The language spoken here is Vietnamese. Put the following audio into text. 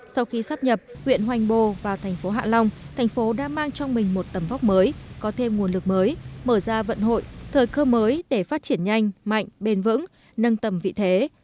sau khi sắp nhập huyện hoành bồ vào thành phố hạ long thành phố đã mang trong mình một tầm vóc mới có thêm nguồn lực mới mở ra vận hội thời cơ mới để phát triển nhanh mạnh bền vững nâng tầm vị thế